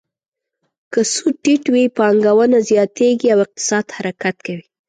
که سود ټیټ وي، پانګونه زیاتیږي او اقتصاد حرکت کوي.